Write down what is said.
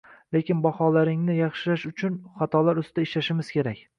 Lekin baholaringni yaxshilash uchun xatolar ustida ishlashimiz kerak”.